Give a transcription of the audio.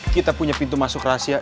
kita punya pintu masuk rahasia